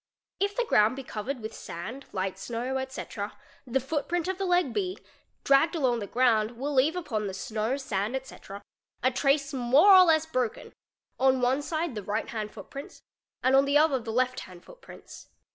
If the ground be covered with sand, light snow, etc., the footprint of the leg B dragged along the ground will leave upon the snow, sand, etc., a trace more or less broken, on one side the right hand footprints and on the other the left hand footprints.